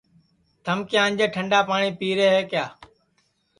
تھم کیا آنجے ٹھنڈا پاٹؔی پیرے ہے کیا